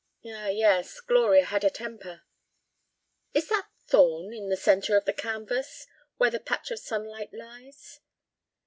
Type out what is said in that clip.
"Ah, yes, Gloria had a temper." "Is that Thorn—in the corner of the canvas, where the patch of sunlight lies?"